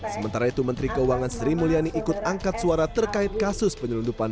sementara itu menteri keuangan sri mulyani ikut angkat suara terkait kasus penyelundupan